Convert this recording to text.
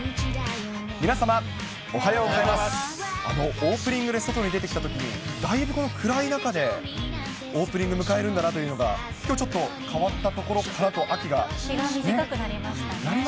オープニングで外に出てきたとき、だいぶこの暗い中でオープニング迎えるんだなというのが、きょうちょっと、変わったところかなと、日が短くなりましたね。